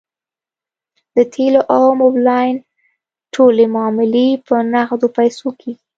د تیلو او موبلاین ټولې معاملې په نغدو پیسو کیږي